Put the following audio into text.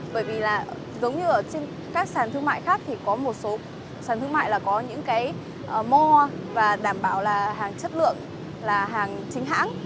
bởi vì là giống như ở trên các sàn thương mại khác thì có một số sản thương mại là có những cái mo và đảm bảo là hàng chất lượng là hàng chính hãng